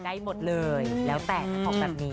ใกล้หมดเลยแล้วแต่ของแบบนี้